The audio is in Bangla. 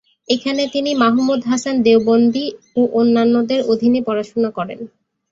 এখানে তিনি মাহমুদ হাসান দেওবন্দি ও অন্যান্যদের অধীনে পড়াশোনা করেন।